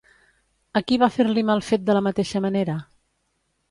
A qui va fer-li mal fet de la mateixa manera?